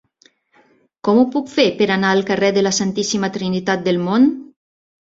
Com ho puc fer per anar al carrer de la Santíssima Trinitat del Mont?